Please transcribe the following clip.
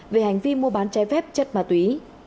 về hành vi mua bán trái phép chất ma túy